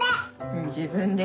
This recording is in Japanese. うん自分で。